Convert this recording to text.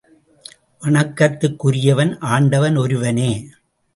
வணக்கத்துக்குரியவன் ஆண்டவன் ஒருவனே.